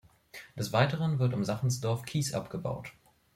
Des Weiteren wird um Sachsendorf Kies abgebaut.